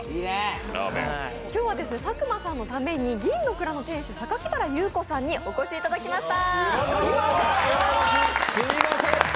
今日は佐久間さんのために銀のくらの店主、榊原裕子さんにお越しいただきました。